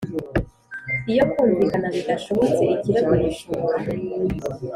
Iyo kumvikana bidashobotse ikirego gishobora